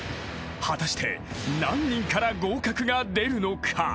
［果たして何人から合格が出るのか？］